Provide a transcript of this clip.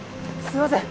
すいません